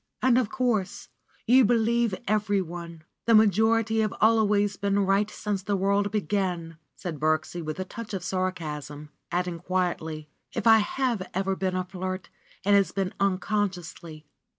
^^And, of course, you believe every one! The major ity have always been right since the world began," said Birksie with a touch of sarcasm, adding quietly, "If I have ever been a flirt, it has been unconsciously.